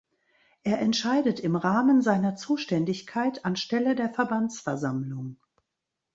Er entscheidet im Rahmen seiner Zuständigkeit anstelle der Verbandsversammlung.